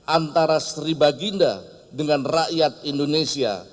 antara sri baginda dan indonesia